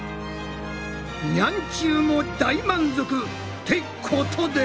ニャンちゅうも大満足！ってことで！